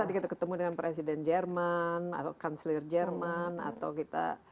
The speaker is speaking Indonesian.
tadi kita ketemu dengan presiden jerman atau kanselir jerman atau kita